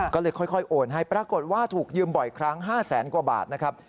ก็เลยค่อยโอนให้ปรากฏว่าถูกยืมบ่อยครั้ง๕แสนกว่าบาทนะครับ